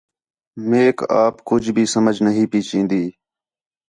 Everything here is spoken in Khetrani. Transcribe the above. میک آپ کُج بھی سمجھ نا ہی پی چین٘دی